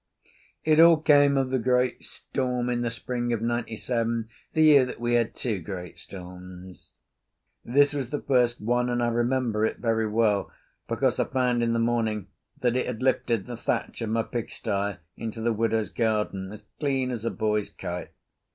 It all came of the great storm in the spring of '97, the year that we had two great storms. This was the first one, and I remember it very well, because I found in the morning that it had lifted the thatch of my pigsty into the widow's garden as clean as a boy's kite.